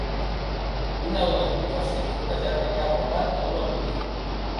Una dona amb un vestit florejat i el cap rapat a una botiga.